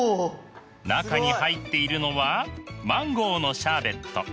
中に入っているのはマンゴーのシャーベット。